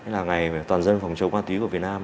là ngày toàn dân phòng chống ma túy của việt nam